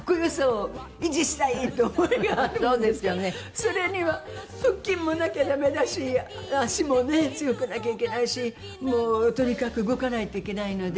それには腹筋もなきゃダメだし足もね強くなきゃいけないしもうとにかく動かないといけないので。